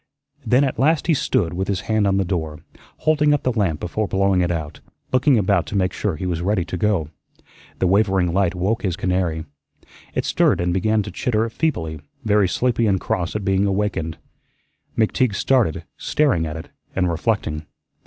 Then at last he stood with his hand on the door, holding up the lamp before blowing it out, looking about to make sure he was ready to go. The wavering light woke his canary. It stirred and began to chitter feebly, very sleepy and cross at being awakened. McTeague started, staring at it, and reflecting.